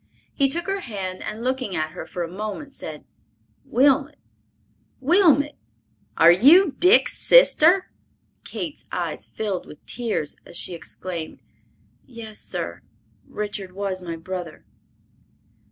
He took her hand and looking at her for a moment, said, "Wilmot, Wilmot! Are you Dick's sister?" Kate's eyes filled with tears as she exclaimed, "Yes, sir, Richard was my brother."